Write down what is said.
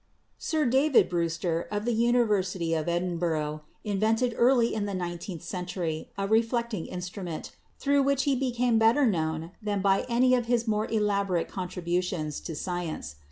Sir David Brewster, of the University of Edinboro, invented early in the nineteenth century a reflecting in strument through which he became better known than by any of his more elaborate contributions to science.